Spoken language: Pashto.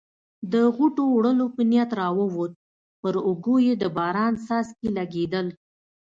د غوټو وړلو په نیت راووت، پر اوږو یې د باران څاڅکي لګېدل.